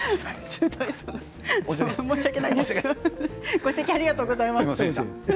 ご指摘ありがとうございました。